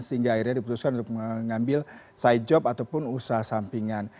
sehingga akhirnya diputuskan untuk mengambil side job ataupun usaha sampingan